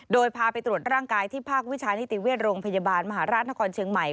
โดยพาไปตรวจร่างกายที่ภาควิชานิติเวชโรงพยาบาลมหาราชนครเชียงใหม่